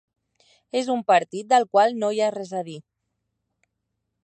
És un partit del qual no hi ha res a dir.